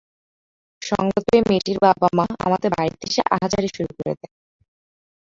সংবাদ পেয়ে মেয়েটির বাবা-মা আমাদের বাড়িতে এসে আহাজারি শুরু করে দেয়।